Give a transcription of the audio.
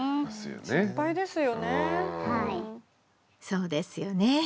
そうですよね。